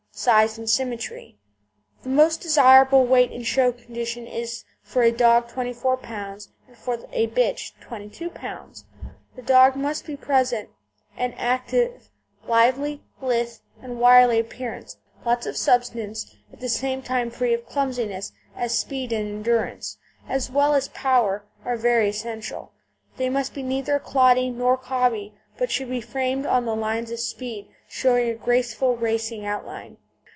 SIZE AND SYMMETRY The most desirable weight in show condition is, for a dog 24 lb., and for a bitch 22 lb. The dog must present an active, lively, lithe, and wiry appearance; lots of substance, at the same time free of clumsiness, as speed and endurance, as well as power, are very essential. They must be neither cloddy or cobby, but should be framed on the lines of speed, showing a graceful racing outline.